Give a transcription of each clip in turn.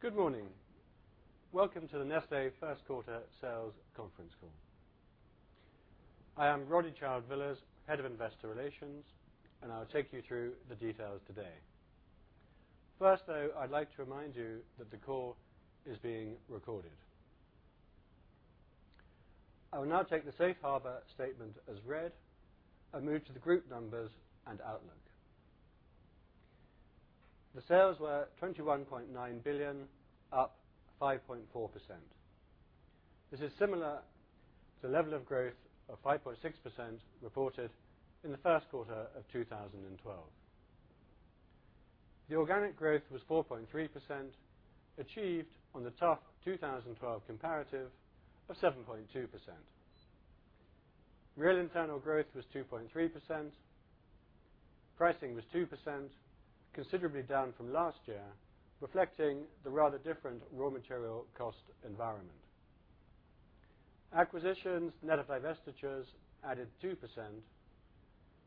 Good morning. Welcome to the Nestlé first quarter sales conference call. I am Roddy Child-Villiers, Head of Investor Relations, and I'll take you through the details today. First, though, I'd like to remind you that the call is being recorded. I will now take the safe harbor statement as read and move to the group numbers and outlook. The sales were 21.9 billion, up 5.4%. This is similar to the level of growth of 5.6% reported in the first quarter of 2012. The organic growth was 4.3%, achieved on the tough 2012 comparative of 7.2%. Real internal growth was 2.3%. Pricing was 2%, considerably down from last year, reflecting the rather different raw material cost environment. Acquisitions net of divestitures added 2%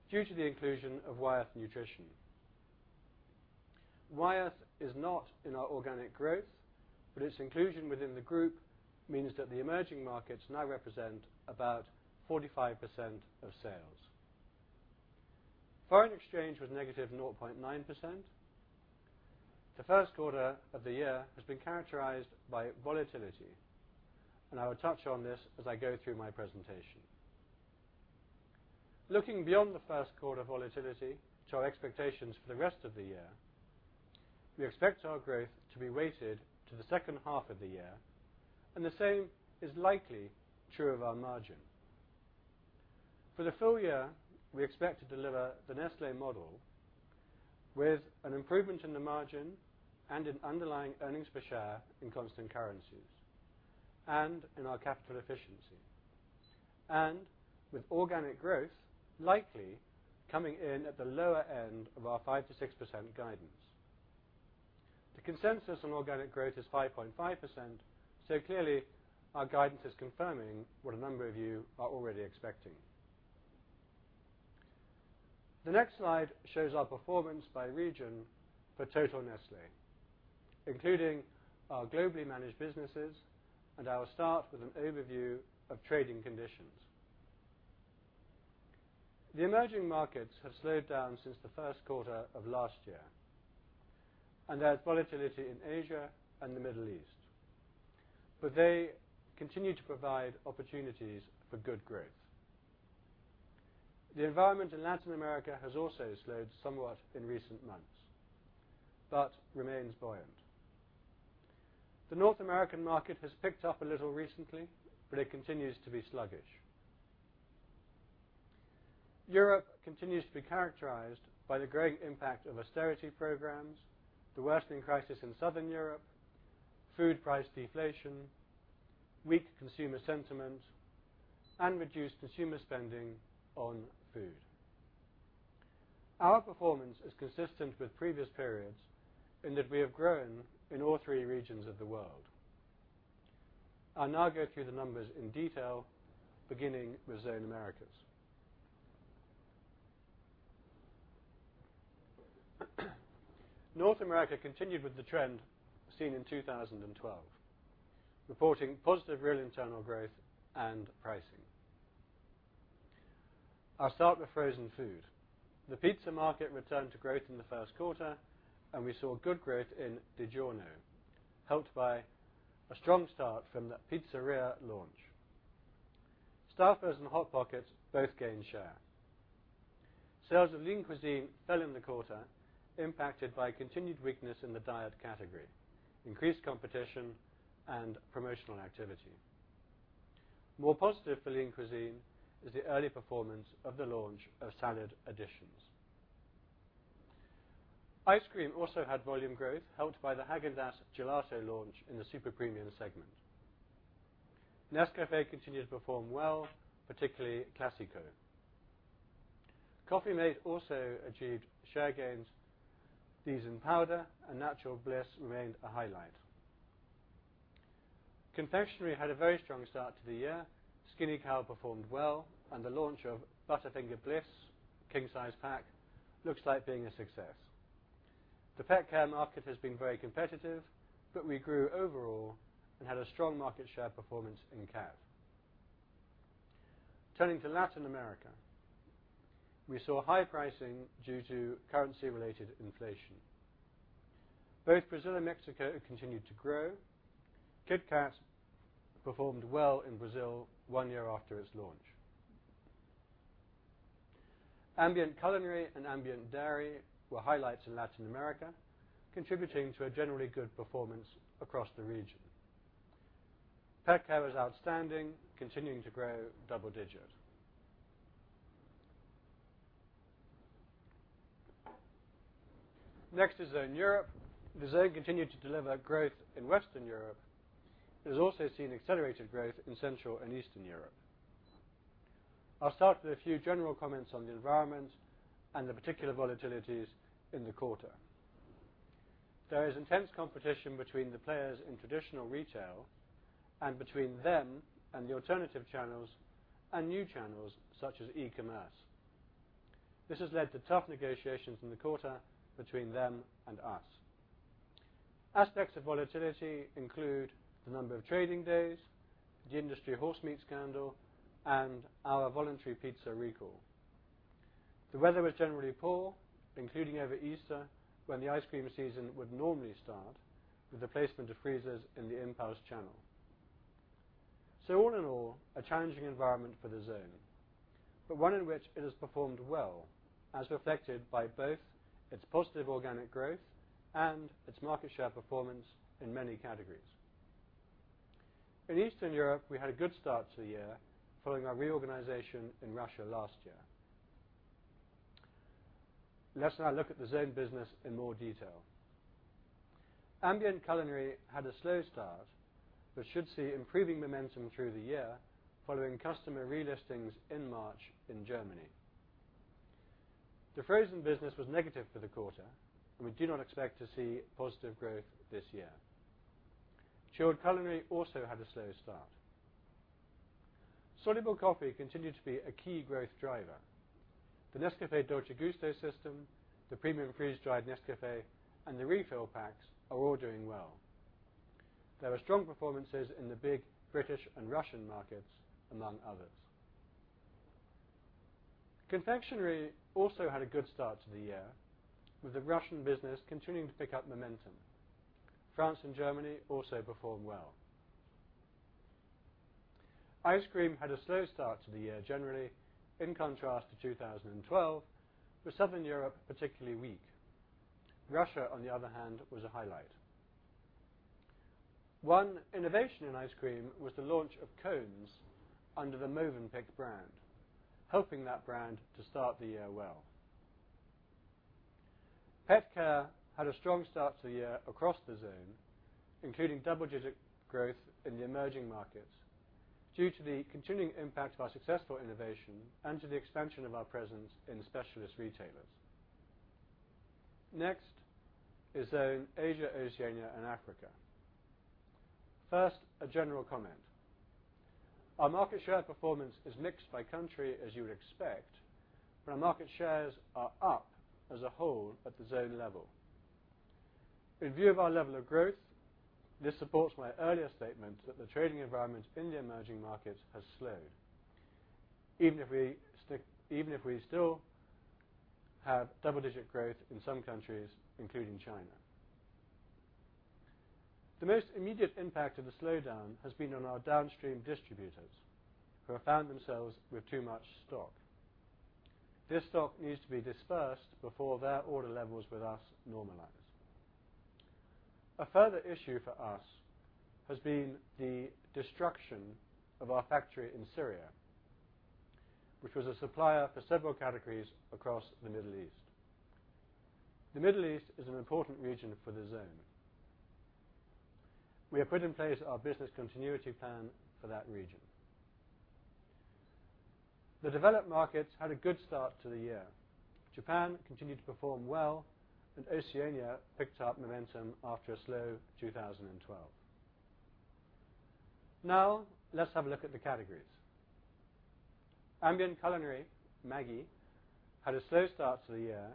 due to the inclusion of Wyeth Nutrition. Wyeth is not in our organic growth, but its inclusion within the group means that the emerging markets now represent about 45% of sales. Foreign exchange was negative 0.9%. The first quarter of the year has been characterized by volatility, and I will touch on this as I go through my presentation. Looking beyond the first quarter volatility to our expectations for the rest of the year, we expect our growth to be weighted to the second half of the year, and the same is likely true of our margin. For the full year, we expect to deliver the Nestlé model with an improvement in the margin and in underlying earnings per share in constant currencies and in our capital efficiency, and with organic growth likely coming in at the lower end of our 5%-6% guidance. The consensus on organic growth is 5.5%, clearly, our guidance is confirming what a number of you are already expecting. The next slide shows our performance by region for total Nestlé, including our globally managed businesses, and I will start with an overview of trading conditions. The emerging markets have slowed down since the first quarter of last year, and there's volatility in Asia and the Middle East. They continue to provide opportunities for good growth. The environment in Latin America has also slowed somewhat in recent months, but remains buoyant. The North American market has picked up a little recently, but it continues to be sluggish. Europe continues to be characterized by the growing impact of austerity programs, the worsening crisis in Southern Europe, food price deflation, weak consumer sentiment, and reduced consumer spending on food. Our performance is consistent with previous periods in that we have grown in all three regions of the world. I'll now go through the numbers in detail, beginning with Zone Americas. North America continued with the trend seen in 2012, reporting positive real internal growth and pricing. I'll start with frozen food. The pizza market returned to growth in the first quarter, and we saw good growth in DiGiorno, helped by a strong start from the Pizzeria launch. Stouffer's and Hot Pockets both gained share. Sales of Lean Cuisine fell in the quarter, impacted by continued weakness in the diet category, increased competition, and promotional activity. More positive for Lean Cuisine is the early performance of the launch of Salad Additions. Ice cream also had volume growth helped by the Häagen-Dazs Gelato launch in the super premium segment. Nescafé continues to perform well, particularly Clásico. Coffee mate also achieved share gains. Coffee-mate powder and Natural Bliss remained a highlight. Confectionery had a very strong start to the year. Skinny Cow performed well, and the launch of Butterfinger Bliss king size pack looks like being a success. The pet care market has been very competitive, but we grew overall and had a strong market share performance in CAT. Turning to Latin America, we saw high pricing due to currency-related inflation. Both Brazil and Mexico continued to grow. KitKat performed well in Brazil one year after its launch. Ambient culinary and ambient dairy were highlights in Latin America, contributing to a generally good performance across the region. Pet care was outstanding, continuing to grow double-digit. Next is Zone Europe. The zone continued to deliver growth in Western Europe. It has also seen accelerated growth in Central and Eastern Europe. I'll start with a few general comments on the environment and the particular volatilities in the quarter. There is intense competition between the players in traditional retail and between them and the alternative channels and new channels such as e-commerce. This has led to tough negotiations in the quarter between them and us. Aspects of volatility include the number of trading days, the industry horse meat scandal, and our voluntary pizza recall. The weather was generally poor, including over Easter when the ice cream season would normally start with the placement of freezers in the impulse channel. All in all, a challenging environment for the zone, but one in which it has performed well, as reflected by both its positive organic growth and its market share performance in many categories. In Eastern Europe, we had a good start to the year following our reorganization in Russia last year. Let's now look at the zone business in more detail. Ambient culinary had a slow start, but should see improving momentum through the year following customer relistings in March in Germany. The frozen business was negative for the quarter, and we do not expect to see positive growth this year. Chilled culinary also had a slow start. Soluble coffee continued to be a key growth driver. The Nescafé Dolce Gusto system, the premium freeze-dried Nescafé, and the refill packs are all doing well. There are strong performances in the big British and Russian markets, among others. Confectionery also had a good start to the year, with the Russian business continuing to pick up momentum. France and Germany also performed well. Ice cream had a slow start to the year, generally, in contrast to 2012, with Southern Europe particularly weak. Russia, on the other hand, was a highlight. One innovation in ice cream was the launch of cones under the Mövenpick brand, helping that brand to start the year well. Pet care had a strong start to the year across the zone, including double-digit growth in the emerging markets due to the continuing impact of our successful innovation and to the expansion of our presence in specialist retailers. Next is Zone Asia, Oceania and Africa. First, a general comment. Our market share performance is mixed by country, as you would expect, but our market shares are up as a whole at the zone level. In view of our level of growth, this supports my earlier statement that the trading environment in the emerging markets has slowed, even if we still have double-digit growth in some countries, including China. The most immediate impact of the slowdown has been on our downstream distributors, who have found themselves with too much stock. This stock needs to be dispersed before their order levels with us normalize. A further issue for us has been the destruction of our factory in Syria, which was a supplier for several categories across the Middle East. The Middle East is an important region for the zone. We have put in place our business continuity plan for that region. The developed markets had a good start to the year. Japan continued to perform well, and Oceania picked up momentum after a slow 2012. Let's have a look at the categories. Ambient culinary, Maggi, had a slow start to the year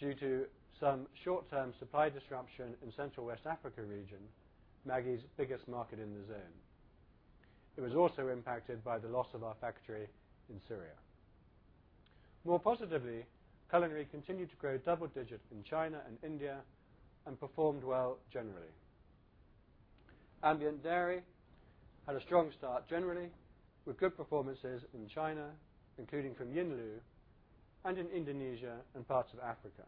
due to some short-term supply disruption in Central West Africa region, Maggi's biggest market in the zone. It was also impacted by the loss of our factory in Syria. More positively, culinary continued to grow double digits in China and India and performed well generally. Ambient dairy had a strong start generally, with good performances in China, including from Yinlu, and in Indonesia and parts of Africa.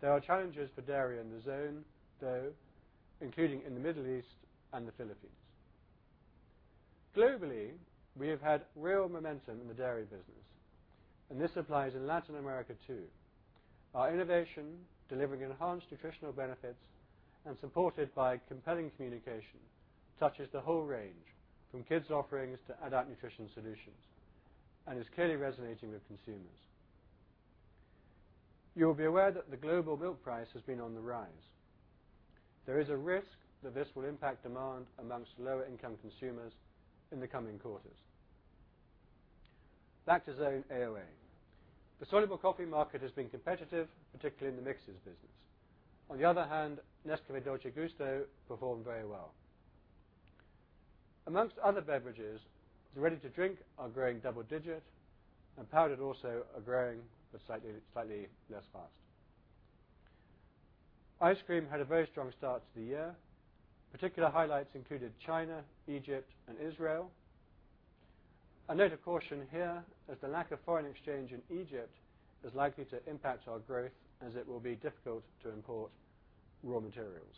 There are challenges for dairy in the zone, though, including in the Middle East and the Philippines. Globally, we have had real momentum in the dairy business, and this applies in Latin America too. Our innovation, delivering enhanced nutritional benefits and supported by compelling communication, touches the whole range from kids offerings to adult nutrition solutions and is clearly resonating with consumers. You will be aware that the global milk price has been on the rise. There is a risk that this will impact demand amongst lower-income consumers in the coming quarters. Back to Zone AOA. The soluble coffee market has been competitive, particularly in the mixes business. Nescafé Dolce Gusto performed very well. Amongst other beverages, the ready-to-drink are growing double digit, and powdered also are growing, but slightly less fast. Ice cream had a very strong start to the year. Particular highlights included China, Egypt, and Israel. A note of caution here, as the lack of foreign exchange in Egypt is likely to impact our growth as it will be difficult to import raw materials.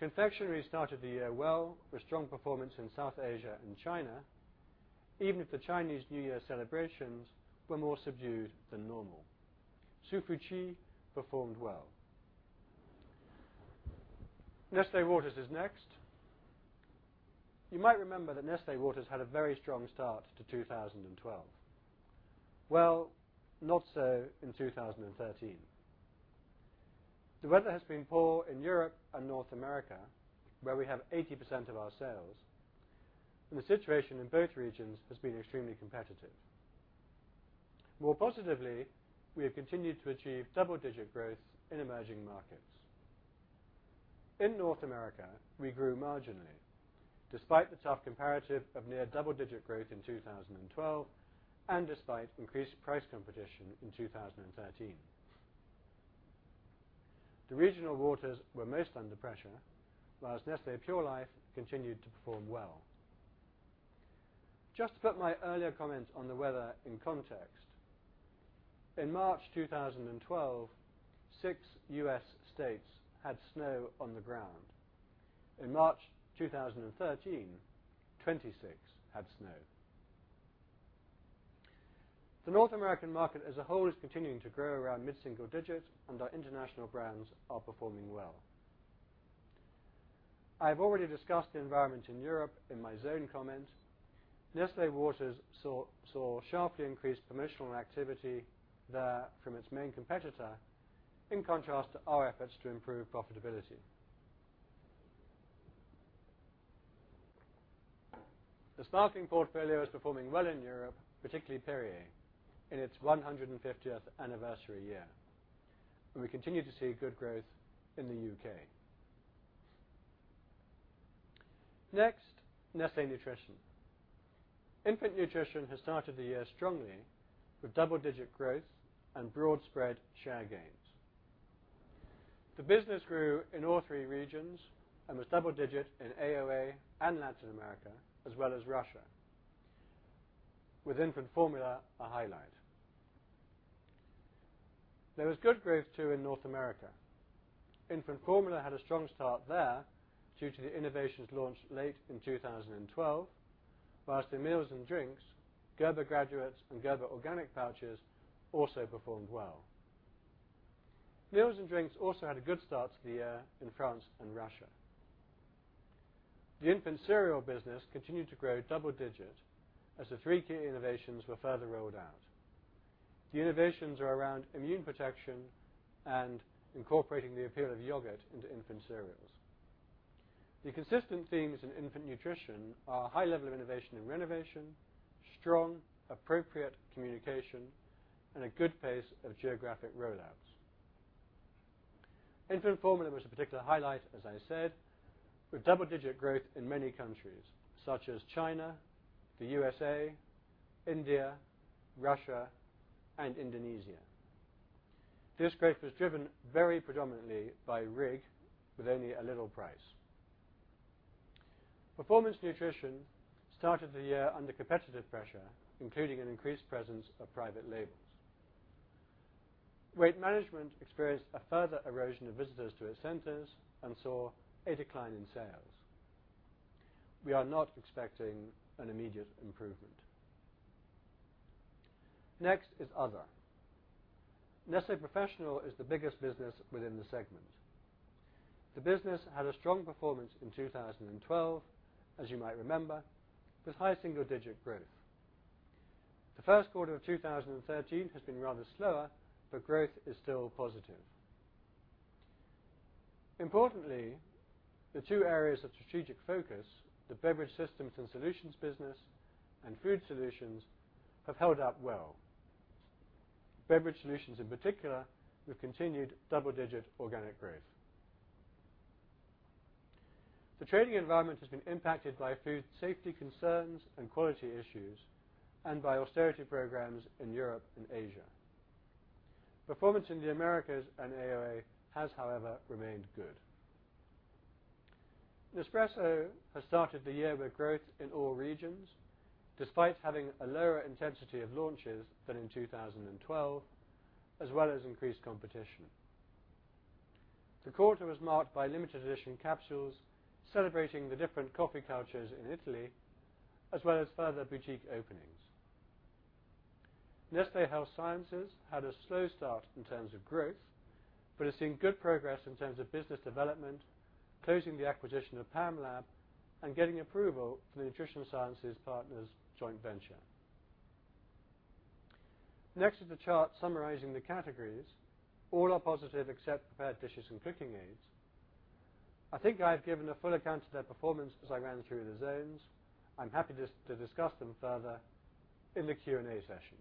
Confectionery started the year well with strong performance in South Asia and China, even if the Chinese New Year celebrations were more subdued than normal. Hsu Fu Chi performed well. Nestlé Waters is next. You might remember that Nestlé Waters had a very strong start to 2012. Well, not so in 2013. The weather has been poor in Europe and North America, where we have 80% of our sales. The situation in both regions has been extremely competitive. More positively, we have continued to achieve double-digit growth in emerging markets. In North America, we grew marginally despite the tough comparative of near double-digit growth in 2012 and despite increased price competition in 2013. The regional waters were most under pressure, whilst Nestlé Pure Life continued to perform well. Just to put my earlier comment on the weather in context, in March 2012, six U.S. states had snow on the ground. In March 2013, 26 had snow. The North American market as a whole is continuing to grow around mid-single-digits, and our international brands are performing well. I have already discussed the environment in Europe in my zone comment. Nestlé Waters saw sharply increased promotional activity there from its main competitor, in contrast to our efforts to improve profitability. The sparkling portfolio is performing well in Europe, particularly Perrier, in its 150th anniversary year, and we continue to see good growth in the U.K. Next, Nestlé Nutrition. Infant Nutrition has started the year strongly with double-digit growth and broad spread share gains. The business grew in all three regions and was double digit in AoA and Latin America, as well as Russia, with infant formula a highlight. There was good growth, too, in North America. Infant formula had a strong start there due to the innovations launched late in 2012, whilst in meals and drinks, Gerber Graduates and Gerber Organic pouches also performed well. Meals and drinks also had a good start to the year in France and Russia. The infant cereal business continued to grow double digit as the three key innovations were further rolled out. The innovations are around immune protection and incorporating the appeal of yogurt into infant cereals. The consistent themes in infant nutrition are a high level of innovation and renovation, strong, appropriate communication, and a good pace of geographic rollouts. Infant formula was a particular highlight, as I said, with double-digit growth in many countries, such as China, the U.S.A., India, Russia, and Indonesia. This growth was driven very predominantly by rig with only a little price. Performance Nutrition started the year under competitive pressure, including an increased presence of private labels. Weight management experienced a further erosion of visitors to its centers and saw a decline in sales. We are not expecting an immediate improvement. Next is other. Nestlé Professional is the biggest business within the segment. The business had a strong performance in 2012, as you might remember, with high single-digit growth. The first quarter of 2013 has been rather slower. Growth is still positive. Importantly, the two areas of strategic focus, the Beverage Systems and Solutions business and Food Solutions, have held up well. Beverage Solutions, in particular, with continued double-digit organic growth. The trading environment has been impacted by food safety concerns and quality issues and by austerity programs in Europe and Asia. Performance in the Americas and AoA has, however, remained good. Nespresso has started the year with growth in all regions, despite having a lower intensity of launches than in 2012, as well as increased competition. The quarter was marked by limited edition capsules celebrating the different coffee cultures in Italy, as well as further boutique openings. Nestlé Health Science had a slow start in terms of growth. Has seen good progress in terms of business development, closing the acquisition of Pamlab and getting approval for the Nutrition Science Partners joint venture. Next is the chart summarizing the categories. All are positive except Prepared Dishes and Cooking Aids. I think I've given a full account to their performance as I ran through the zones. I'm happy to discuss them further in the Q&A session.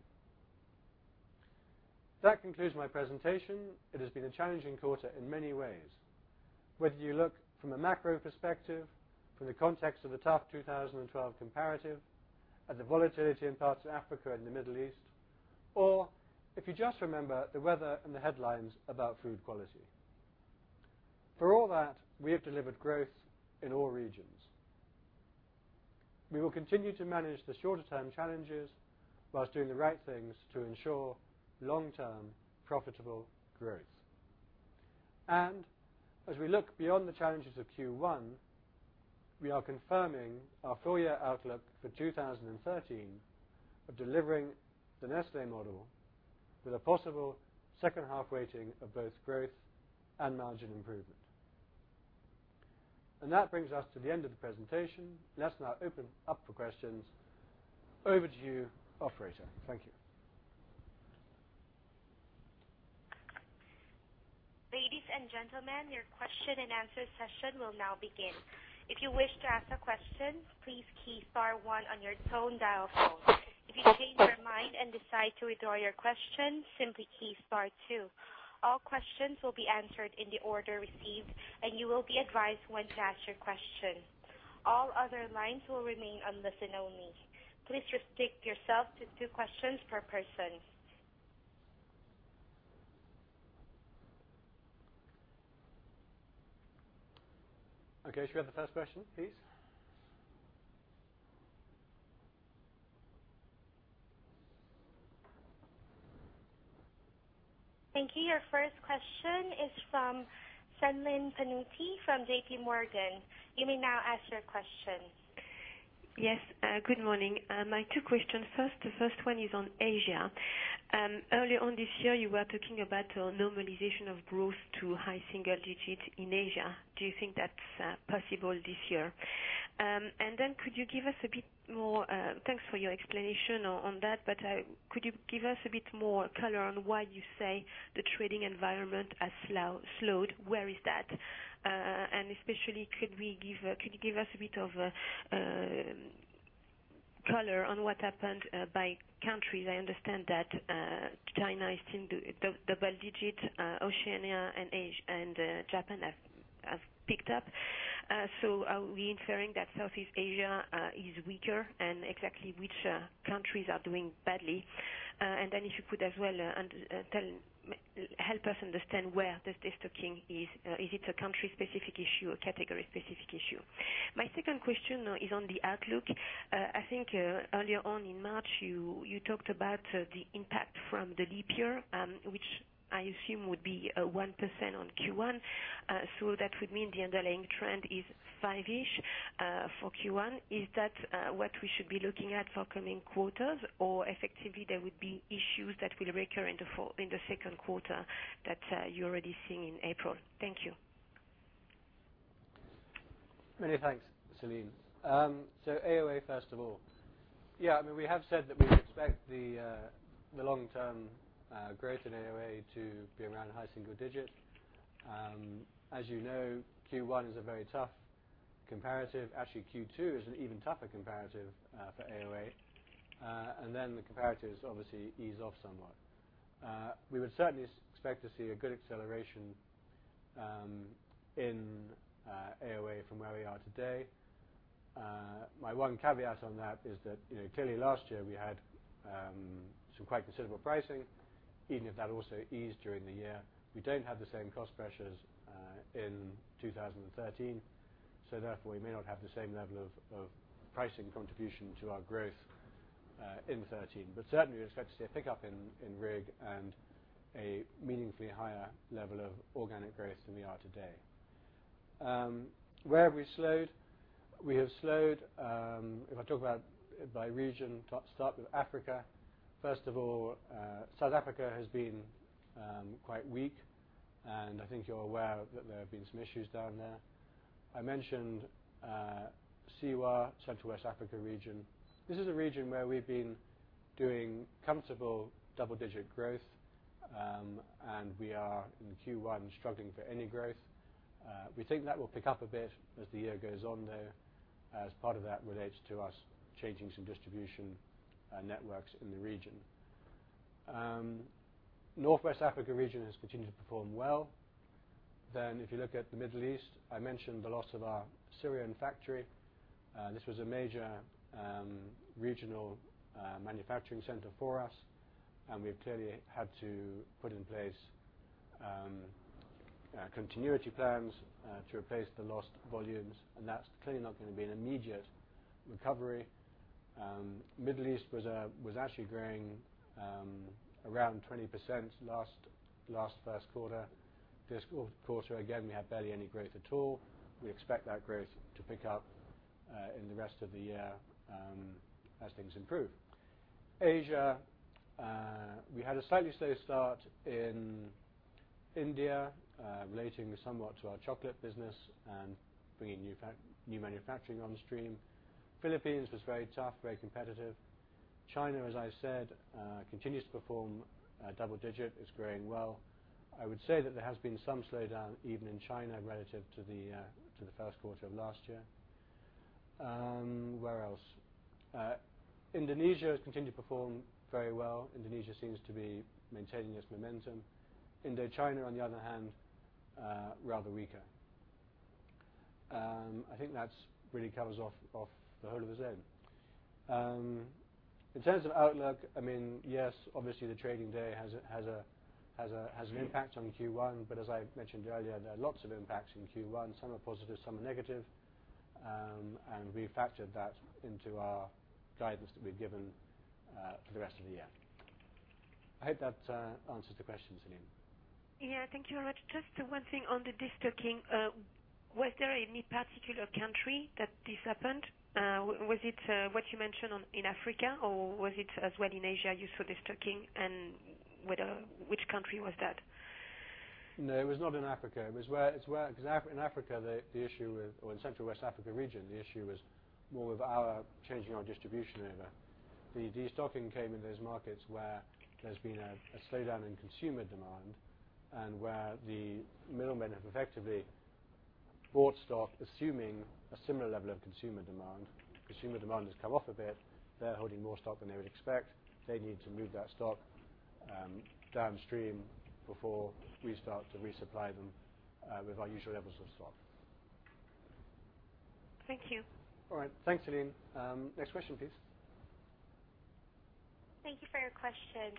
That concludes my presentation. It has been a challenging quarter in many ways, whether you look from a macro perspective, from the context of the tough 2012 comparative, at the volatility in parts of Africa and the Middle East, or if you just remember the weather and the headlines about food quality. For all that, we have delivered growth in all regions. We will continue to manage the shorter term challenges while doing the right things to ensure long-term profitable growth. As we look beyond the challenges of Q1, we are confirming our full-year outlook for 2013 of delivering the Nestlé model with a possible second half weighting of both growth and margin improvement. That brings us to the end of the presentation. Let's now open up for questions. Over to you, operator. Thank you. Ladies and gentlemen, your question and answer session will now begin. If you wish to ask a question, please key star 1 on your tone dial pad. If you change your mind and decide to withdraw your question, simply key star 2. All questions will be answered in the order received, and you will be advised when to ask your question. All other lines will remain on listen only. Please restrict yourself to two questions per person. Okay. Shall we have the first question, please? Thank you. Your first question is from Celine Pannuti from JPMorgan. You may now ask your question. Yes, good morning. My two questions. First, the first one is on Asia. Early on this year, you were talking about normalization of growth to high single-digits in Asia. Do you think that's possible this year? Thanks for your explanation on that, could you give us a bit more color on why you say the trading environment has slowed? Where is that? Especially, could you give us a bit of color on what happened by countries? I understand that China is still double-digits. Oceania and Japan have picked up. Are we inferring that Southeast Asia is weaker and exactly which countries are doing badly? If you could as well help us understand where destocking is. Is it a country-specific issue, a category-specific issue? My second question is on the outlook. I think earlier on in March, you talked about the impact from the leap year, which I assume would be 1% on Q1. That would mean the underlying trend is five-ish for Q1. Is that what we should be looking at for coming quarters or effectively there would be issues that will recur in the second quarter that you're already seeing in April? Thank you. Many thanks, Celine. AOA, first of all. We have said that we expect the long-term growth in AOA to be around high single-digits. As you know, Q1 is a very tough comparative. Actually, Q2 is an even tougher comparative for AOA. The comparatives obviously ease off somewhat. We would certainly expect to see a good acceleration in AOA from where we are today. My one caveat on that is that clearly last year we had some quite considerable pricing, even if that also eased during the year. We don't have the same cost pressures in 2013, therefore, we may not have the same level of pricing contribution to our growth in '13. Certainly, we expect to see a pickup in RIG and a meaningfully higher level of organic growth than we are today. Where have we slowed? We have slowed, if I talk about by region to start with Africa, first of all, South Africa has been quite weak, and I think you're aware that there have been some issues down there. I mentioned CWA, Central West Africa region. This is a region where we've been doing comfortable double-digit growth, we are in Q1 struggling for any growth. We think that will pick up a bit as the year goes on, though, as part of that relates to us changing some distribution networks in the region. Northwest Africa region has continued to perform well. If you look at the Middle East, I mentioned the loss of our Syrian factory. This was a major regional manufacturing center for us, we've clearly had to put in place continuity plans to replace the lost volumes, that's clearly not going to be an immediate recovery. Middle East was actually growing around 20% last first quarter. This quarter, again, we have barely any growth at all. We expect that growth to pick up in the rest of the year as things improve. Asia, we had a slightly slow start in India relating somewhat to our chocolate business and bringing new manufacturing on stream. Philippines was very tough, very competitive. China, as I said, continues to perform double digit. It's growing well. I would say that there has been some slowdown even in China relative to the first quarter of last year. Where else? Indonesia has continued to perform very well. Indonesia seems to be maintaining its momentum. Indochina, on the other hand, rather weaker. I think that really covers off the whole of the zone. In terms of outlook, yes, obviously, the trading day has an impact on Q1. As I mentioned earlier, there are lots of impacts in Q1. Some are positive, some are negative. We factored that into our guidance that we've given for the rest of the year. I hope that answers the question, Celine. Yeah, thank you very much. Just one thing on the destocking. Was there any particular country that this happened? Was it what you mentioned in Africa, or was it as well in Asia you saw destocking, and which country was that? No, it was not in Africa. In Africa, or in Central West Africa Region, the issue was more with our changing our distribution over. The destocking came in those markets where there's been a slowdown in consumer demand, and where the middlemen have effectively bought stock, assuming a similar level of consumer demand. Consumer demand has come off a bit. They're holding more stock than they would expect. They need to move that stock downstream before we start to resupply them with our usual levels of stock. Thank you. All right. Thanks, Celine. Next question, please. Thank you for your question.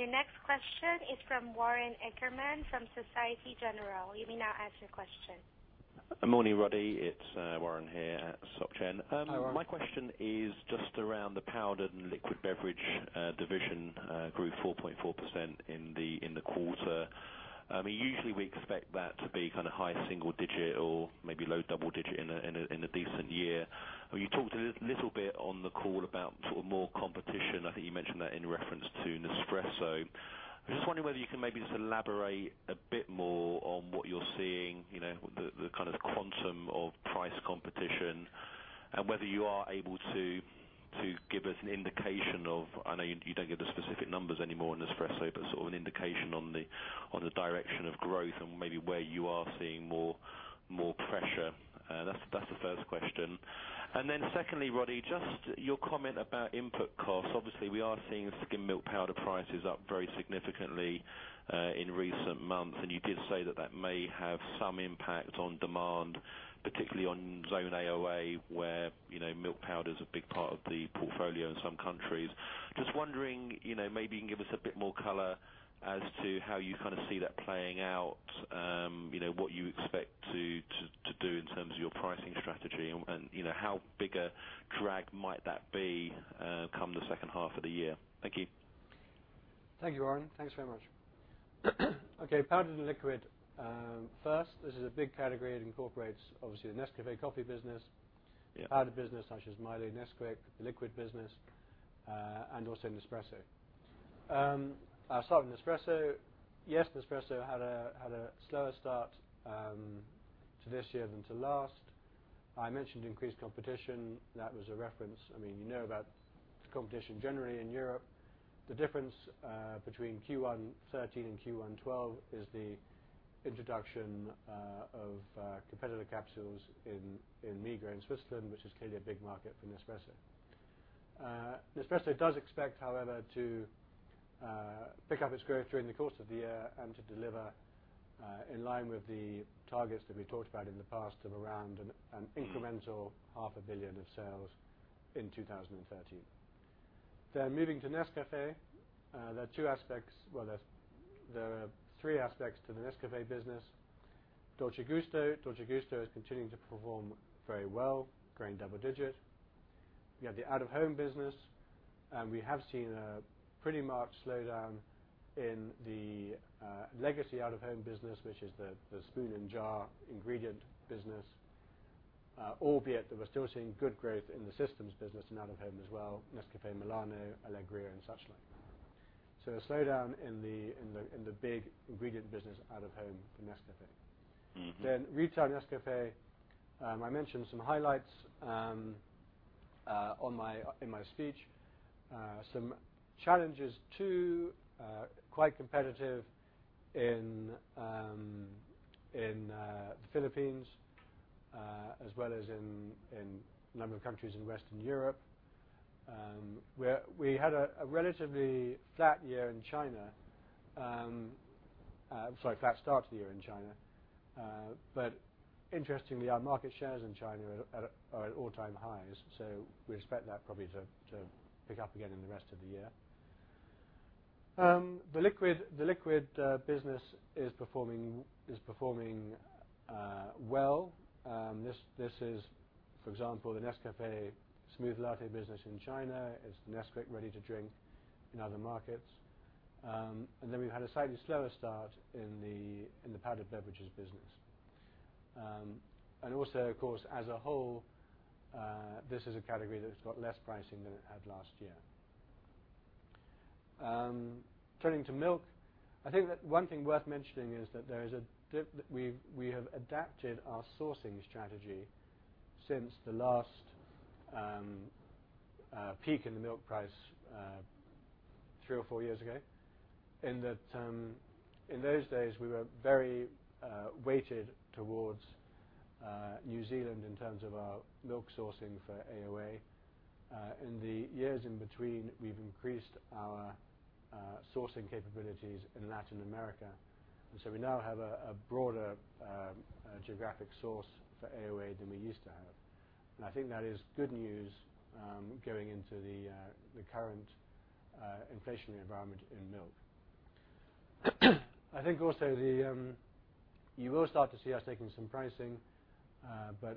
Your next question is from Warren Ackerman from Société Générale. You may now ask your question. Morning, Roddy. It's Warren here at SocGen. Hi, Warren. My question is just around the powdered and liquid beverage division grew 4.4% in the quarter. Usually, we expect that to be high single digit or maybe low double digit in a decent year. You talked a little bit on the call about more competition. I think you mentioned that in reference to Nespresso. I'm just wondering whether you can maybe just elaborate a bit more on what you're seeing, the quantum of price competition and whether you are able to give us an indication of, I know you don't give the specific numbers anymore on Nespresso, but an indication on the direction of growth and maybe where you are seeing more pressure. That's the first question. Then secondly, Roddy, just your comment about input costs. Obviously, we are seeing skimmed milk powder prices up very significantly in recent months. You did say that that may have some impact on demand, particularly on Zone AOA, where milk powder is a big part of the portfolio in some countries. Wondering, maybe you can give us a bit more color as to how you see that playing out, what you expect to do in terms of your pricing strategy, and how big a drag might that be come the second half of the year. Thank you. Thank you, Warren. Thanks very much. Okay. Powdered and liquid. First, this is a big category. It incorporates, obviously, the Nescafé coffee business- Yeah powdered business, such as Milo and Nesquik, the liquid business, and also Nespresso. I'll start with Nespresso. Yes, Nespresso had a slower start to this year than to last. I mentioned increased competition. That was a reference, you know about the competition generally in Europe. The difference between Q1 2013 and Q1 2012 is the introduction of competitor capsules in Migros in Switzerland, which is clearly a big market for Nespresso. Nespresso does expect, however, to pick up its growth during the course of the year and to deliver in line with the targets that we talked about in the past of around an incremental half a billion CHF of sales in 2013. Moving to Nescafé, there are two aspects, well, there are three aspects to the Nescafé business. Dolce Gusto. Dolce Gusto is continuing to perform very well, growing double digit. We have the out-of-home business. We have seen a pretty marked slowdown in the legacy out-of-home business, which is the spoon and jar ingredient business. Albeit that we're still seeing good growth in the systems business and out-of-home as well, Nescafé Milano, Alegría, and such like. A slowdown in the big ingredient business out of home for Nescafé. Retail Nescafé. I mentioned some highlights in my speech. Some challenges, too, quite competitive in Philippines as well as in a number of countries in Western Europe, where we had a relatively flat year in China. Sorry, flat start to the year in China. Interestingly, our market shares in China are at all-time highs, so we expect that probably to pick up again in the rest of the year. The liquid business is performing well. This is, for example, the Nescafé Smoovlatté business in China. It's Nesquik ready to drink in other markets. We've had a slightly slower start in the powdered beverages business. Also, of course, as a whole, this is a category that's got less pricing than it had last year. Turning to milk, I think that one thing worth mentioning is that we have adapted our sourcing strategy since the last peak in the milk price three or four years ago, in that in those days, we were very weighted towards New Zealand in terms of our milk sourcing for AOA. In the years in between, we've increased our sourcing capabilities in Latin America, we now have a broader geographic source for AOA than we used to have. I think that is good news going into the current inflationary environment in milk. I think also you will start to see us taking some pricing,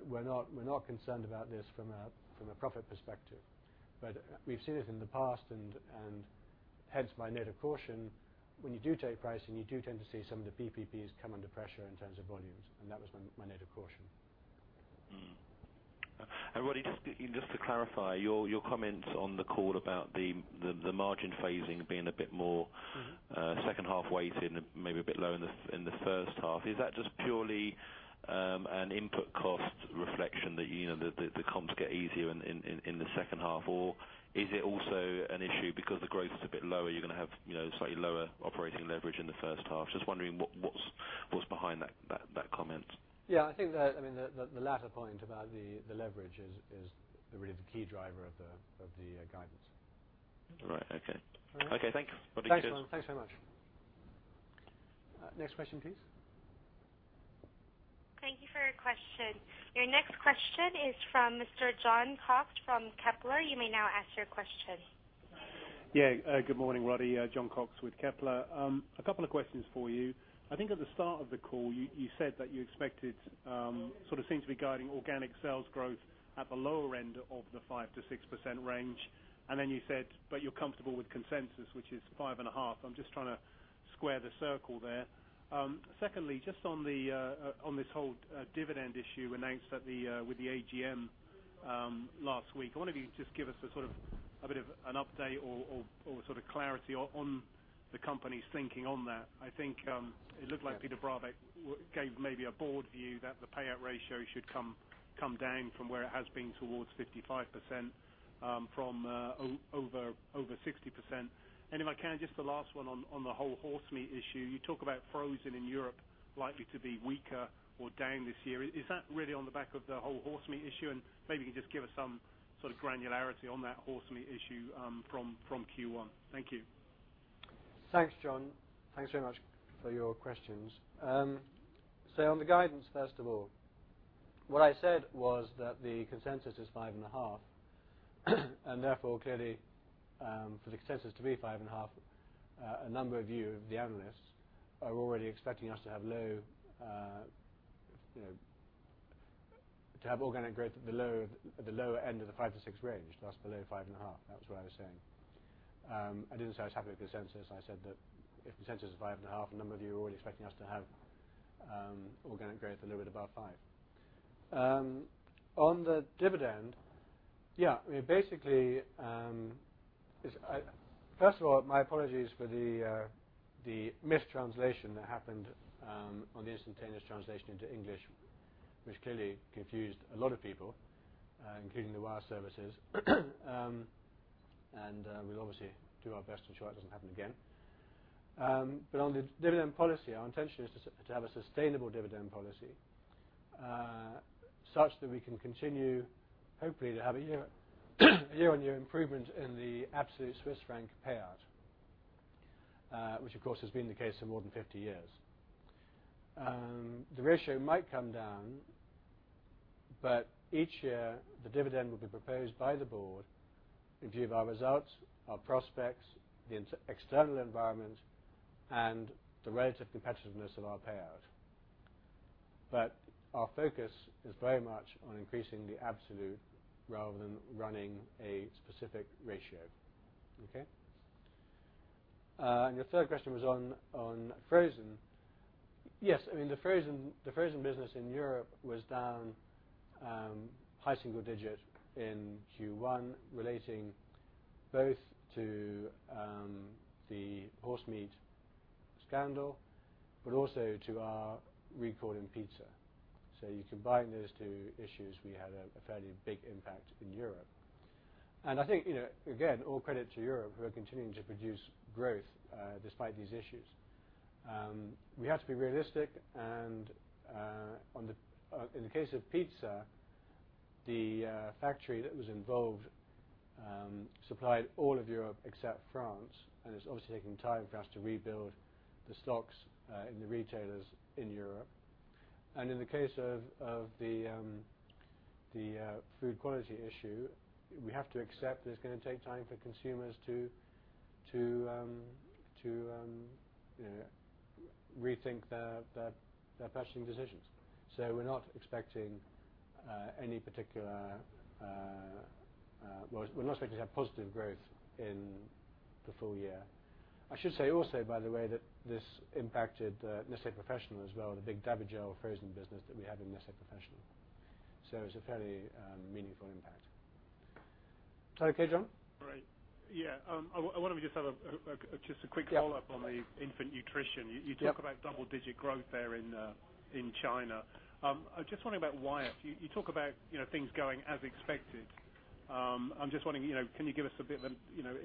we're not concerned about this from a profit perspective. We've seen it in the past, and hence my note of caution. When you do take pricing, you do tend to see some of the PPPs come under pressure in terms of volumes, and that was my note of caution. Mm-hmm. Roddy, just to clarify, your comments on the call about the margin phasing being a bit more second-half weighted and maybe a bit low in the first half. Is that just purely an input cost reflection that the comps get easier in the second half? Or is it also an issue because the growth is a bit lower, you're going to have slightly lower operating leverage in the first half? Just wondering what's behind that comment. Yeah, I think that the latter point about the leverage is really the key driver of the guidance. Right. Okay. All right. Okay, thanks. Roddy, cheers. Thanks a lot. Thanks so much. Next question, please. Thank you for your question. Your next question is from Mr. Jon Cox from Kepler. You may now ask your question. Good morning, Roddy. Jon Cox with Kepler. At the start of the call, you said that you expected sort of seem to be guiding organic sales growth at the lower end of the 5%-6% range. You said, but you're comfortable with consensus, which is 5.5%. I'm just trying to square the circle there. Secondly, just on this whole dividend issue announced with the AGM last week. I wonder if you could just give us a sort of, a bit of an update or sort of clarity on the company's thinking on that. It looked like Pieter Brabeck gave maybe a board view that the payout ratio should come down from where it has been towards 55%, from over 60%. If I can, just the last one on the whole horse meat issue. You talk about frozen in Europe likely to be weaker or down this year. Is that really on the back of the whole horse meat issue? Maybe you can just give us some sort of granularity on that horse meat issue from Q1. Thank you. Thanks, Jon. Thanks very much for your questions. On the guidance, first of all, what I said was that the consensus is 5.5%, and therefore clearly, for the consensus to be 5.5%, a number of you, the analysts, are already expecting us to have organic growth at the lower end of the 5%-6% range. That's below 5.5%. That's what I was saying. I didn't say I was happy with the consensus. I said that if the consensus is 5.5%, a number of you are already expecting us to have organic growth a little bit above 5%. On the dividend. First of all, my apologies for the mistranslation that happened on the instantaneous translation into English, which clearly confused a lot of people, including the wire services. We'll obviously do our best to ensure it doesn't happen again. On the dividend policy, our intention is to have a sustainable dividend policy, such that we can continue, hopefully, to have a year-on-year improvement in the absolute Swiss franc payout. Which, of course, has been the case for more than 50 years. The ratio might come down, but each year the dividend will be proposed by the board in view of our results, our prospects, the external environment, and the relative competitiveness of our payout. Our focus is very much on increasing the absolute rather than running a specific ratio. Okay. Your third question was on frozen. Yes, the frozen business in Europe was down high single digit in Q1, relating both to the horse meat scandal, but also to our recall in pizza. You combine those two issues, we had a fairly big impact in Europe. I think, again, all credit to Europe who are continuing to produce growth despite these issues. We have to be realistic, and in the case of pizza, the factory that was involved supplied all of Europe except France, and it's obviously taking time for us to rebuild the stocks in the retailers in Europe. In the case of the food quality issue, we have to accept that it's going to take time for consumers to rethink their purchasing decisions. We're not expecting to have positive growth in the full year. I should say also, by the way, that this impacted Nestlé Professional as well, the big Davigel frozen business that we have in Nestlé Professional. It's a fairly meaningful impact. Is that okay, Jon? Great. Yeah. I want to just have a quick follow-up. Yeah On the infant nutrition. Yep. You talk about double-digit growth there in China. I'm just wondering about Wyeth. You talk about things going as expected. I'm just wondering, can you give us a bit of an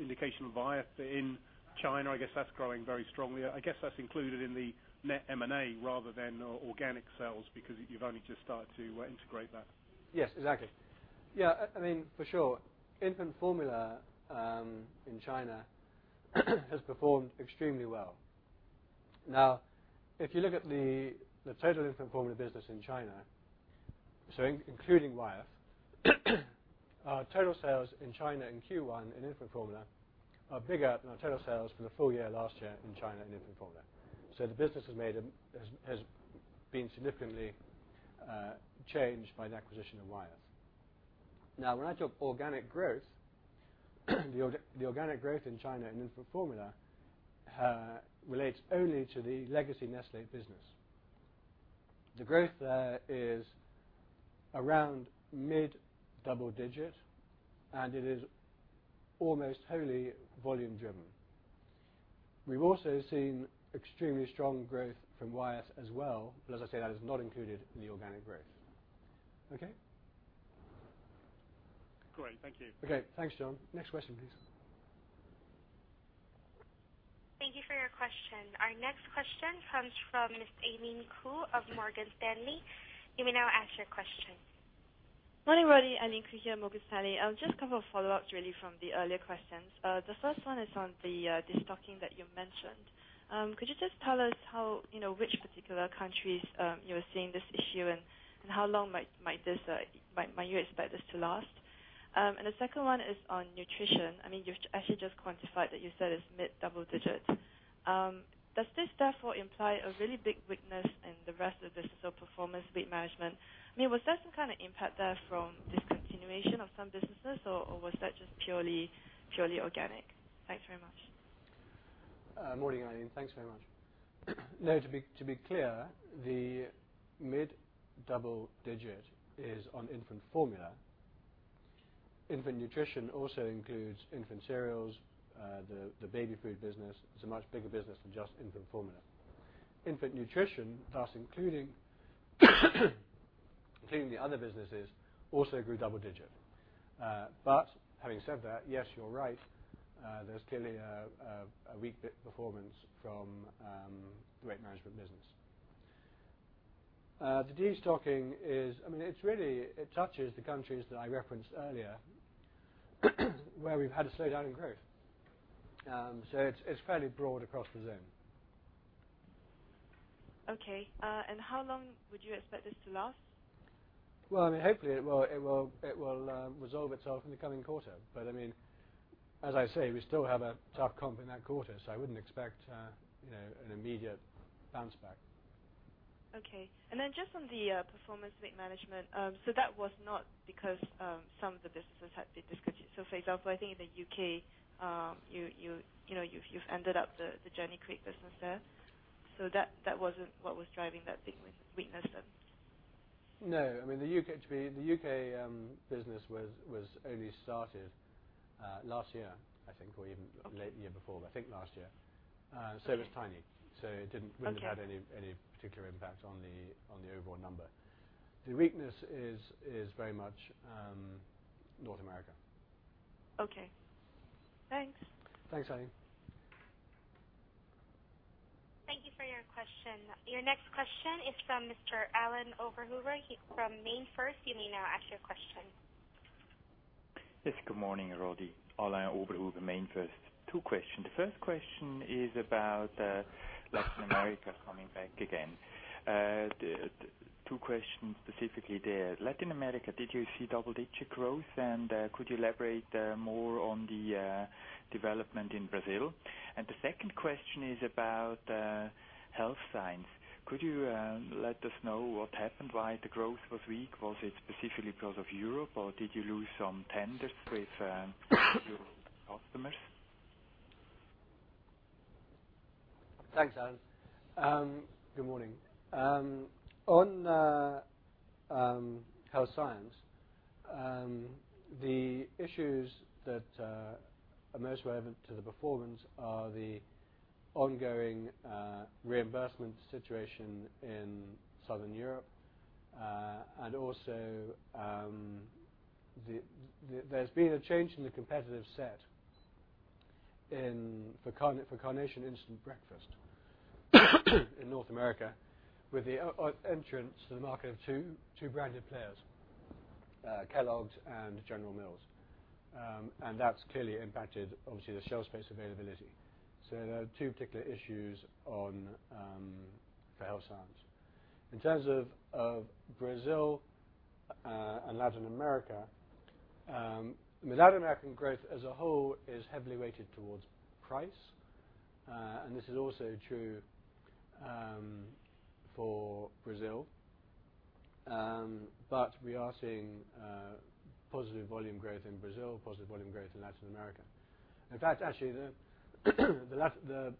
indication of Wyeth in China? I guess that's growing very strongly. I guess that's included in the net M&A rather than organic sales, because you've only just started to integrate that. Yes, exactly. Yeah, for sure. Infant formula in China has performed extremely well. If you look at the total infant formula business in China including Wyeth. Our total sales in China in Q1 in infant formula are bigger than our total sales for the full year last year in China in infant formula. The business has been significantly changed by the acquisition of Wyeth. When I talk organic growth, the organic growth in China in infant formula relates only to the legacy Nestlé business. The growth there is around mid double digit, and it is almost wholly volume-driven. We've also seen extremely strong growth from Wyeth as well. As I say, that is not included in the organic growth. Okay? Great. Thank you. Okay. Thanks, Jon. Next question please. Thank you for your question. Our next question comes from Miss Aileen Koo of Morgan Stanley. You may now ask your question. Morning, Roddy. Aileen Koo here, Morgan Stanley. Just a couple of follow-ups really from the earlier questions. The first one is on the destocking that you mentioned. Could you just tell us which particular countries you are seeing this issue in, and how long might you expect this to last? The second one is on nutrition. You actually just quantified that you said it's mid double digits. Does this therefore imply a really big weakness in the rest of the business, so performance, weight management? Was there some kind of impact there from discontinuation of some businesses, or was that just purely organic? Thanks very much. Morning, Aileen. Thanks very much. No, to be clear, the mid double digit is on infant formula. Infant nutrition also includes infant cereals, the baby food business. It's a much bigger business than just infant formula. Infant nutrition, thus including the other businesses, also grew double digit. Having said that, yes, you're right, there's clearly a weak bit performance from the weight management business. The destocking touches the countries that I referenced earlier, where we've had a slowdown in growth. It's fairly broad across the zone. Okay. How long would you expect this to last? Well, hopefully it will resolve itself in the coming quarter. As I say, we still have a tough comp in that quarter, I wouldn't expect an immediate bounce back. Okay. Just on the performance weight management, that was not because some of the businesses had been discontinued. For example, I think in the U.K., you've ended up the Jenny Craig business there. That wasn't what was driving that big weakness then? No. The U.K. business was only started last year, I think, or even late the year before, but I think last year. It was tiny. Okay. It didn't really have any particular impact on the overall number. The weakness is very much North America. Okay. Thanks. Thanks, Aileen. Thank you for your question. Your next question is from Mr. Alain Oberhuber from MainFirst. You may now ask your question. Yes. Good morning, Roddy. Alain Oberhuber, MainFirst. Two questions. The first question is about Latin America, coming back again. Two questions specifically there. Latin America, did you see double-digit growth? Could you elaborate more on the development in Brazil? The second question is about Nestlé Health Science. Could you let us know what happened, why the growth was weak? Was it specifically because of Europe, or did you lose some tenders with your customers? Thanks, Alain. Good morning. On Nestlé Health Science, the issues that are most relevant to the performance are the ongoing reimbursement situation in Southern Europe, and also, there's been a change in the competitive set for Carnation Breakfast Essentials in North America, with the entrance to the market of two branded players, Kellogg's and General Mills. That's clearly impacted, obviously, the shelf space availability. There are two particular issues for Nestlé Health Science. In terms of Brazil and Latin America, Latin American growth as a whole is heavily weighted towards price. This is also true for Brazil. We are seeing positive volume growth in Brazil, positive volume growth in Latin America. In fact, actually, the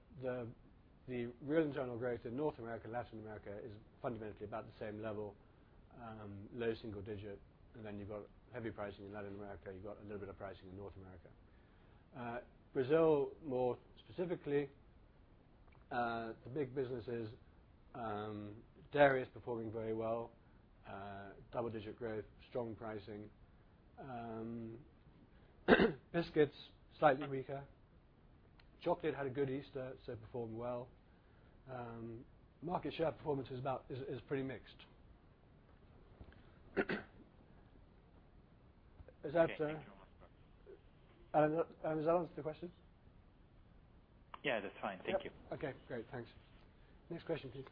real internal growth in North America, Latin America is fundamentally about the same level, low single digit. You've got heavy pricing in Latin America. You've got a little bit of pricing in North America. Brazil, more specifically, the big business is dairy is performing very well. Double digit growth, strong pricing. Biscuits, slightly weaker. Chocolate had a good Easter, so it performed well. Market share performance is pretty mixed. Is that the? Okay. Thank you very much. Has that answered the question? Yeah. That's fine. Thank you. Okay, great. Thanks. Next question, please.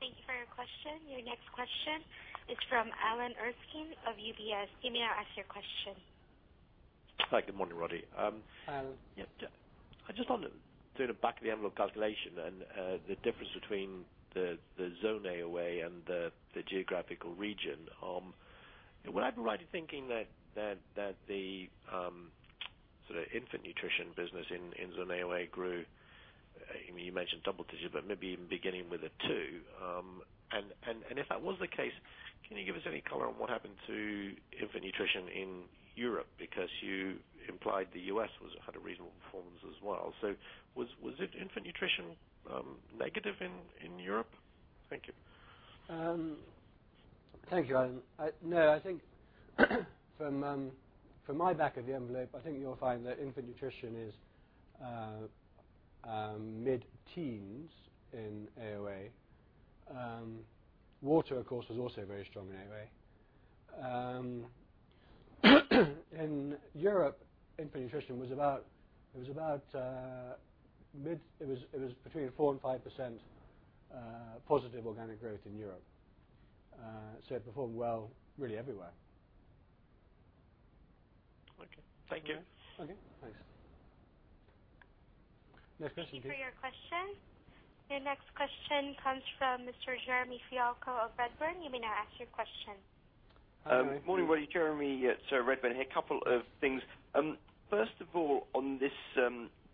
Thank you for your question. Your next question is from Alan Erskine of UBS. You may now ask your question. Hi. Good morning, Roddy. Alan. Yeah. I just wonder, doing a back of the envelope calculation and the difference between the Zone AOA and the geographical region. Would I be right in thinking that the sort of infant nutrition business in Zone AOA grew, you mentioned double digits, but maybe even beginning with a two. If that was the case, can you give us any color on what happened to infant nutrition in Europe? Because you implied the U.S. had a reasonable performance as well. Was infant nutrition negative in Europe? Thank you. Thank you, Alan. I think from my back of the envelope, I think you'll find that infant nutrition is mid-teens in AoA. Water, of course, was also very strong in AoA. In Europe, infant nutrition, it was between 4% and 5% positive organic growth in Europe. It performed well really everywhere. Okay. Thank you. Okay, thanks. Next question, please. Thank you for your question. Your next question comes from Mr. Jeremy Fialko of Redburn. You may now ask your question. Jeremy. Morning, Roddy. Jeremy at Redburn here. A couple of things. First of all, on this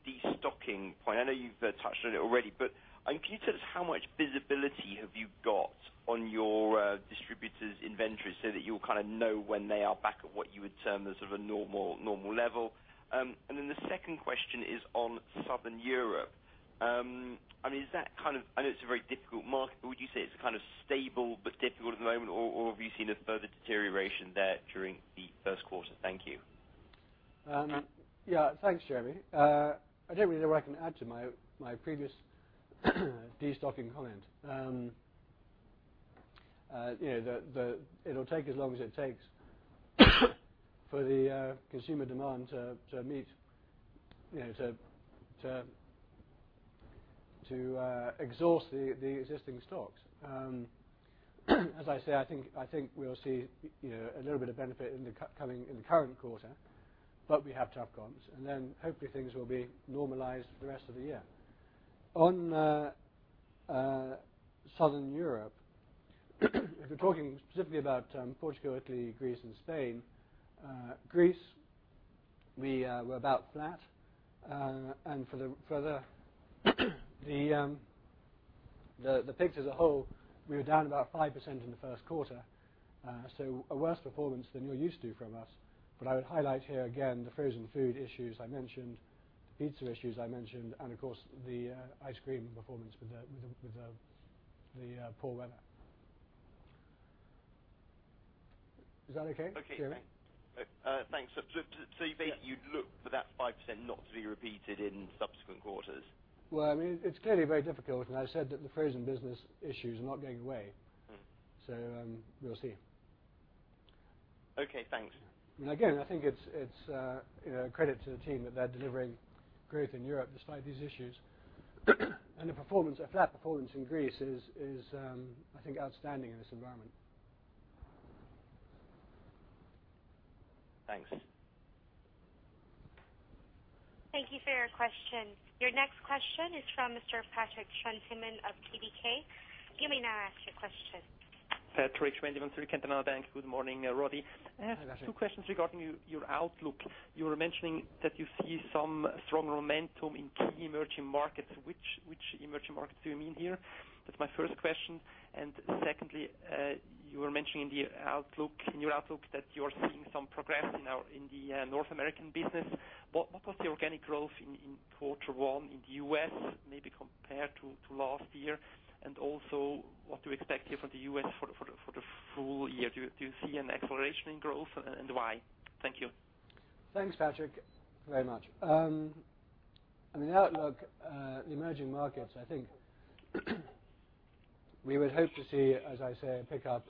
de-stocking point, I know you've touched on it already, but can you tell us how much visibility have you got on your distributor's inventory so that you'll kind of know when they are back at what you would term as sort of a normal level? The second question is on Southern Europe. I know it's a very difficult market, but would you say it's kind of stable but difficult at the moment, or have you seen a further deterioration there during the first quarter? Thank you. Yeah. Thanks, Jeremy. I don't really know what I can add to my previous de-stocking comment. It'll take as long as it takes for the consumer demand to exhaust the existing stocks. As I say, I think we'll see a little bit of benefit in the current quarter, but we have tough comps. Hopefully things will be normalized for the rest of the year. On Southern Europe, if we're talking specifically about Portugal, Italy, Greece, and Spain. Greece, we were about flat. For the picture as a whole, we were down about 5% in the first quarter, so a worse performance than you're used to from us. I would highlight here again the frozen food issues I mentioned, the pizza issues I mentioned, and of course, the ice cream performance with the poor weather. Is that okay, Jeremy? Okay. Thanks. You'd look for that 5% not to be repeated in subsequent quarters? Well, it's clearly very difficult. I said that the frozen business issue is not going away. We'll see. Okay, thanks. Again, I think it's a credit to the team that they're delivering growth in Europe despite these issues. A flat performance in Greece is, I think, outstanding in this environment. Thanks. Thank you for your question. Your next question is from Mr. Patrik Schwendimann of ZKB. You may now ask your question. Patrik Schwendimann, Zürcher Kantonalbank. Good morning, Roddy. Hi, Patrik. I have two questions regarding your outlook. You were mentioning that you see some strong momentum in key emerging markets. Which emerging markets do you mean here? That's my first question. Secondly, you were mentioning in your outlook that you're seeing some progress in the North American business. What was the organic growth in quarter one in the U.S. maybe compared to last year? Also, what do you expect here for the U.S. for the full year? Do you see an acceleration in growth, and why? Thank you. Thanks, Patrik, very much. On the outlook, the emerging markets, I think we would hope to see, as I say, a pickup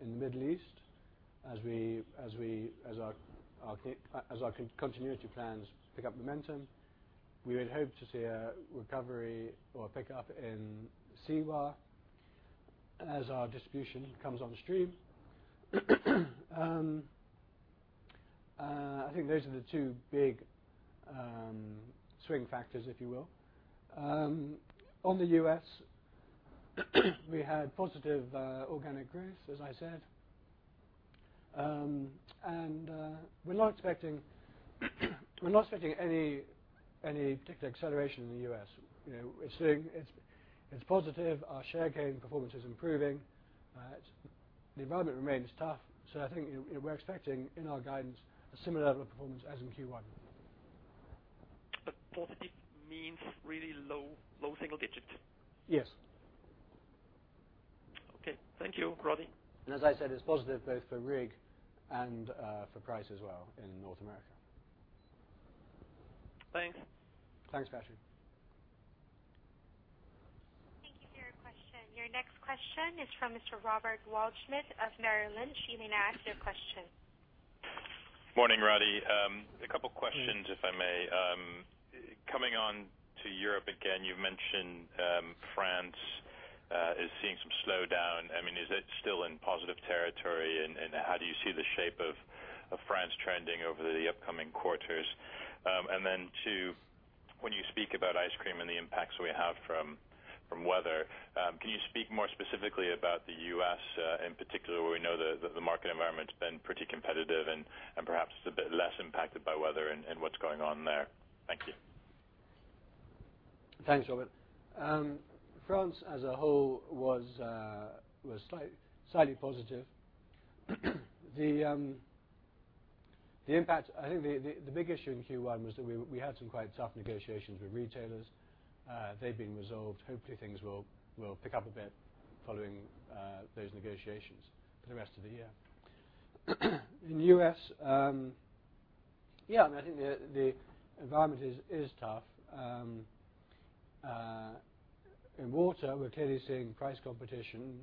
in the Middle East as our continuity plans pick up momentum. We would hope to see a recovery or a pickup in CWAR as our distribution comes on stream. I think those are the two big swing factors, if you will. On the U.S., we had positive organic growth, as I said. We're not expecting any particular acceleration in the U.S. It's positive. Our share gain performance is improving. The environment remains tough. I think we're expecting, in our guidance, a similar level of performance as in Q1. Positive means really low single digits? Yes. Okay. Thank you, Roddy. As I said, it's positive both for RIG and for price as well in North America. Thanks. Thanks, Patrik. Your next question is from Mr. Robert Waldschmidt of Merrill Lynch. You may now ask your question. Morning, Roddy. A couple questions, if I may. Coming on to Europe again, you've mentioned France is seeing some slowdown. Is it still in positive territory, and how do you see the shape of France trending over the upcoming quarters? Then two, when you speak about ice cream and the impacts we have from weather, can you speak more specifically about the U.S., in particular, where we know the market environment's been pretty competitive and perhaps is a bit less impacted by weather and what's going on there? Thank you. Thanks, Robert. France as a whole was slightly positive. The impact, I think the big issue in Q1 was that we had some quite tough negotiations with retailers. They've been resolved. Hopefully things will pick up a bit following those negotiations for the rest of the year. In U.S., I think the environment is tough. In water, we're clearly seeing price competition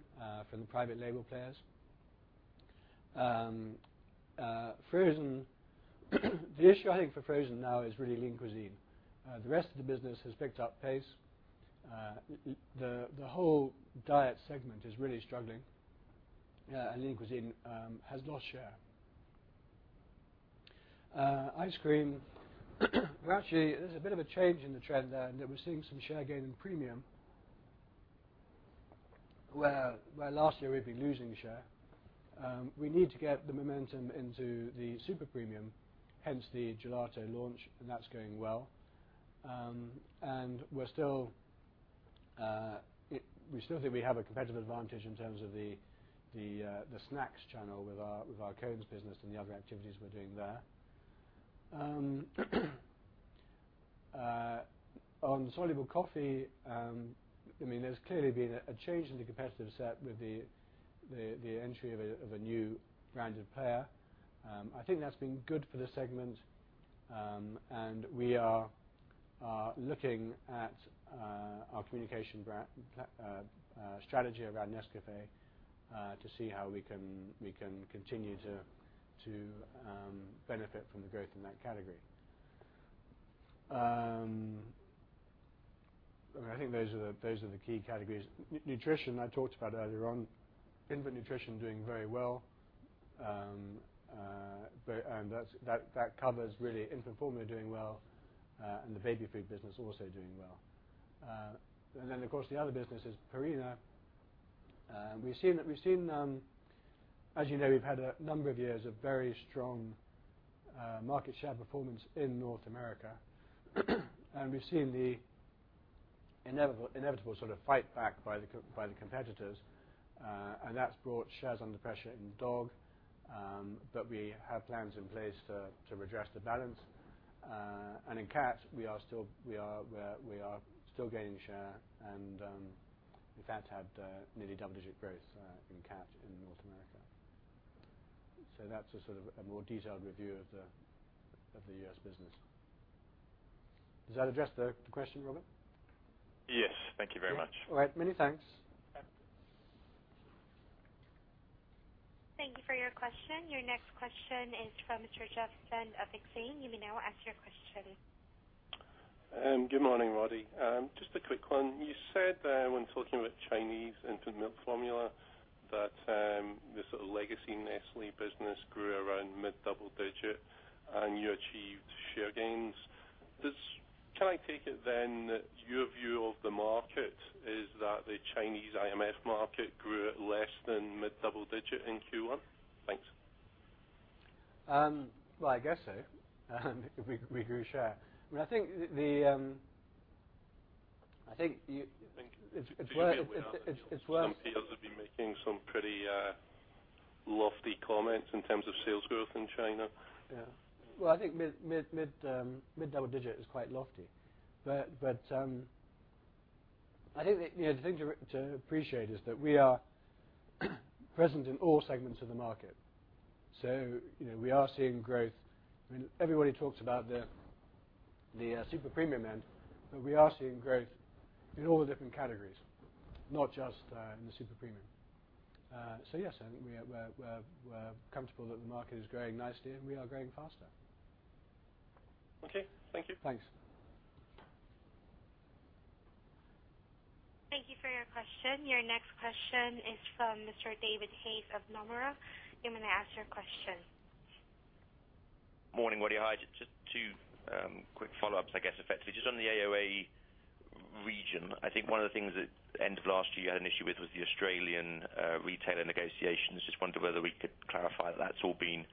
from the private label players. Frozen, the issue I think for frozen now is really Lean Cuisine. The rest of the business has picked up pace. The whole diet segment is really struggling. Lean Cuisine has lost share. Ice cream, actually, there's a bit of a change in the trend there. We're seeing some share gain in premium, where last year we'd been losing share. We need to get the momentum into the super premium, hence the gelato launch. That's going well. We still think we have a competitive advantage in terms of the snacks channel with our cones business and the other activities we're doing there. On soluble coffee, there's clearly been a change in the competitive set with the entry of a new branded player. I think that's been good for the segment. We are looking at our communication strategy around Nescafé to see how we can continue to benefit from the growth in that category. I think those are the key categories. Nutrition, I talked about earlier on. Infant nutrition doing very well, and that covers really Infant Formula doing well, and the baby food business also doing well. Then, of course, the other business is Purina. As you know, we've had a number of years of very strong market share performance in North America. We've seen the inevitable sort of fight back by the competitors, and that's brought shares under pressure in dog. We have plans in place to redress the balance. In cat, we are still gaining share, and in fact had nearly double-digit growth in cat in North America. That's a sort of a more detailed review of the U.S. business. Does that address the question, Robert? Yes. Thank you very much. All right. Many thanks. Okay. Thank you for your question. Your next question is from Mr. Jeff Stent of Exane. You may now ask your question. Good morning, Roddy. Just a quick one. You said when talking about Chinese infant milk formula that this legacy Nestlé business grew around mid double digit, and you achieved share gains. Can I take it then that your view of the market is that the Chinese IMF market grew at less than mid double digit in Q1? Thanks. I guess so. We grew share. Some peers have been making some pretty lofty comments in terms of sales growth in China. Yeah. I think mid double digit is quite lofty. I think the thing to appreciate is that we are present in all segments of the market. We are seeing growth. Everybody talks about the super premium end, we are seeing growth in all the different categories, not just in the super premium. Yes, I think we're comfortable that the market is growing nicely, and we are growing faster. Okay. Thank you. Thanks. Thank you for your question. Your next question is from Mr. David Hayes of Nomura. You may now ask your question. Morning, Roddy. Hi. Just two quick follow-ups, I guess, effectively. Just on the AOA region, I think one of the things that end of last year you had an issue with was the Australian retailer negotiations. Just wondered whether we could clarify that that's all been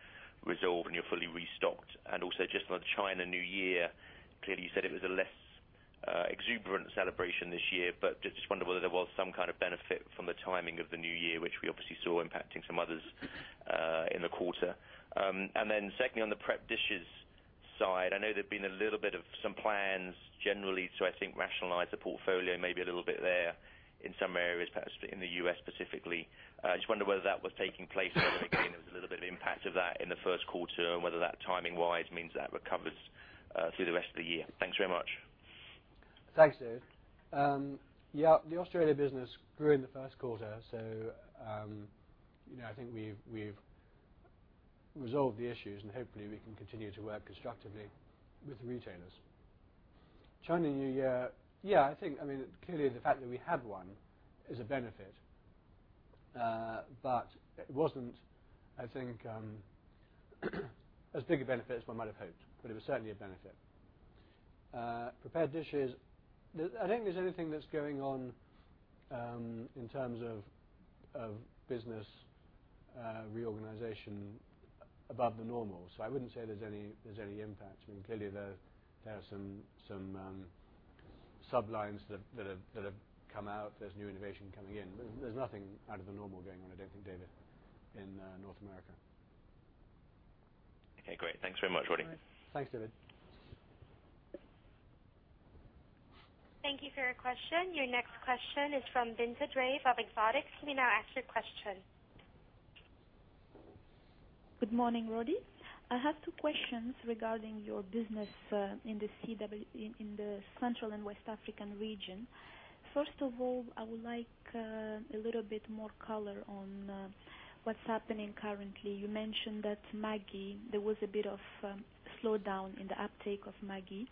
resolved and you're fully restocked. Also, just on China New Year, clearly you said it was a less exuberant celebration this year, but just wondered whether there was some kind of benefit from the timing of the New Year, which we obviously saw impacting some others in the quarter. Secondly, on the prep dishes side, I know there've been a little bit of some plans generally to, I think, rationalize the portfolio maybe a little bit there in some areas, perhaps in the U.S. specifically. I just wonder whether that was taking place, whether, again, there was a little bit of impact of that in the first quarter, whether that timing-wise means that recovers through the rest of the year. Thanks very much. Thanks, David. Yeah, the Australia business grew in the first quarter, so I think we've resolved the issues, and hopefully we can continue to work constructively with the retailers. China New Year. Yeah. Clearly, the fact that we had one is a benefit. It wasn't, I think, as big a benefit as one might have hoped, but it was certainly a benefit. Prepared dishes. I don't think there's anything that's going on in terms of business reorganization above the normal. I wouldn't say there's any impact. Clearly, there are some sub-lines that have come out. There's new innovation coming in. There's nothing out of the normal going on, I don't think, David, in North America. Okay, great. Thanks very much, Roddy. Thanks, David. Thank you for your question. Your next question is from [Vincent Trelut] of [Exotix]. You may now ask your question. Good morning, Roddy. I have two questions regarding your business in the Central and West Africa Region. First of all, I would like a little bit more color on what's happening currently. You mentioned that Maggi, there was a bit of a slowdown in the uptake of Maggi,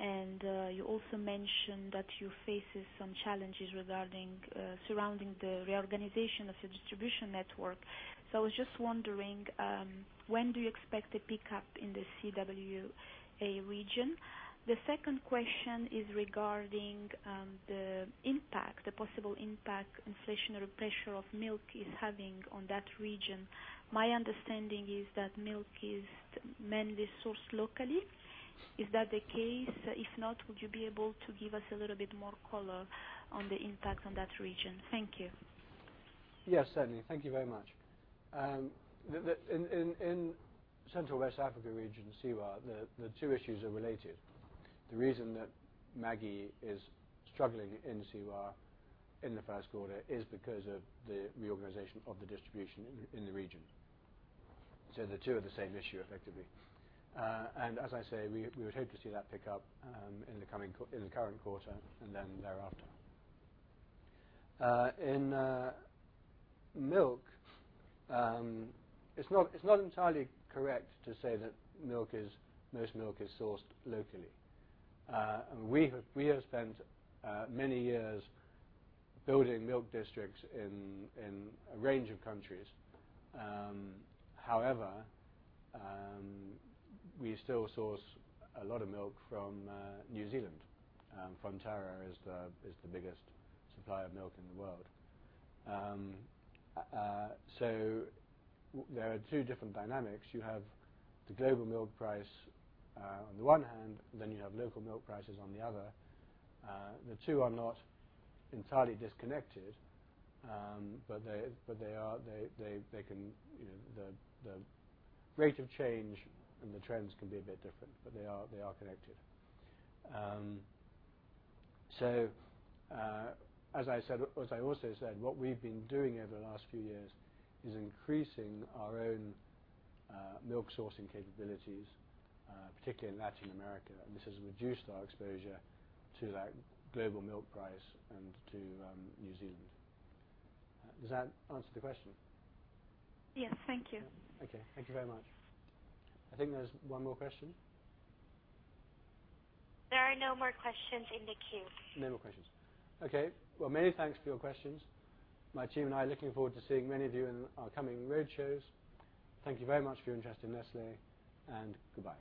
and you faces some challenges surrounding the reorganization of your distribution network. I was just wondering, when do you expect a pickup in the CWA region? The second question is regarding the possible impact inflationary pressure of milk is having on that region. My understanding is that milk is mainly sourced locally. Is that the case? If not, would you be able to give us a little bit more color on the impact on that region? Thank you. Yes, certainly. Thank you very much. In Central and West Africa Region, CWAR, the two issues are related. The reason that Maggi is struggling in CWAR in the first quarter is because of the reorganization of the distribution in the region. The two are the same issue, effectively. As I say, we would hope to see that pick up in the current quarter and then thereafter. In milk, it's not entirely correct to say that most milk is sourced locally. We have spent many years building milk districts in a range of countries. However, we still source a lot of milk from New Zealand. Fonterra is the biggest supplier of milk in the world. There are two different dynamics. You have the global milk price on the one hand, then you have local milk prices on the other. The two are not entirely disconnected. The rate of change and the trends can be a bit different, they are connected. As I also said, what we've been doing over the last few years is increasing our own milk sourcing capabilities, particularly in Latin America, and this has reduced our exposure to that global milk price and to New Zealand. Does that answer the question? Yes. Thank you. Okay. Thank you very much. I think there's one more question. There are no more questions in the queue. No more questions. Okay. Well, many thanks for your questions. My team and I are looking forward to seeing many of you in our coming roadshows. Thank you very much for your interest in Nestlé, and goodbye.